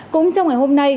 cũng trong ngày hôm nay